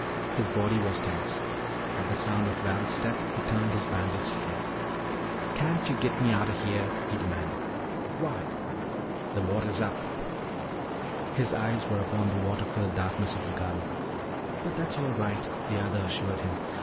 His body was tense. At the sound of Val's step he turned his bandaged head. "Can't yo' git me outa heah?" he demanded. "Why?" "The watah's up!" His eyes were upon the water filled darkness of the garden. "But that's all right," the other assured him.